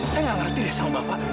saya nggak ngerti deh sama bapak